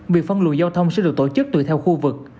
việc phân luồng giao thông sẽ được tổ chức tùy theo khu vực